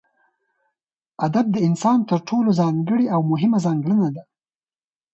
ادب دانسان تر ټولو ځانګړې او مهمه ځانګړنه ده